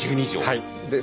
はい。